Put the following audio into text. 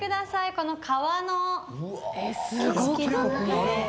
この川の景色の中で。